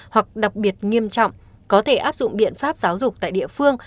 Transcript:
hoặc đặc biệt nghiêm trọng có thể áp dụng biện pháp giáo dục tại địa phương